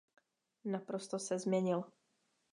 Naprosto se změnil.